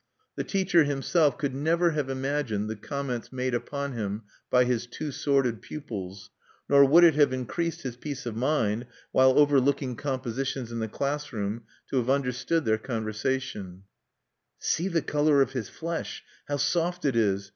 The teacher himself could never have imagined the comments made upon him by his two sworded pupils; nor would it have increased his peace of mind, while overlooking compositions in the class room, to have understood their conversation: "See the color of his flesh, how soft it is!